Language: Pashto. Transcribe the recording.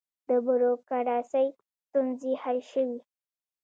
د بروکراسۍ ستونزې حل شوې؟